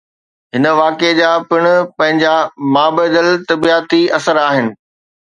هن واقعي جا پڻ پنهنجا مابعدالطبعياتي اثر آهن.